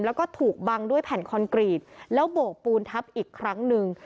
แล้วก็ถูกบังด้วยแผ่นคอนกรีตแล้วโบกปูนทับอีกครั้งหนึ่ง